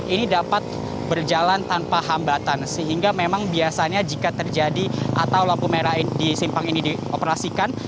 ini dapat berjalan tanpa hambatan sehingga memang biasanya jika terjadi atau lampu merah di simpang ini dioperasikan